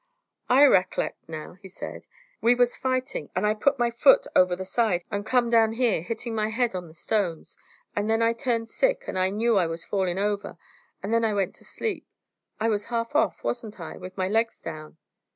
"I reck'lect now," he said. "We was fighting, and I put my foot over the side, and come down here, hitting my head on the stones, and then I turned sick, and I knew I was falling over, and then I went to sleep. I was half off, wasn't I, with my legs down?"